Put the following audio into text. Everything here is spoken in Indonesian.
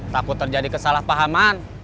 takut terjadi kesalahpahaman